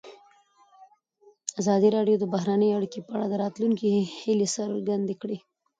ازادي راډیو د بهرنۍ اړیکې په اړه د راتلونکي هیلې څرګندې کړې.